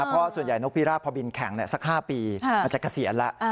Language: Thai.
เพราะส่วนใหญ่นกพิราบพอบินแข่งสัก๕ปีมันจะเกษียณแล้ว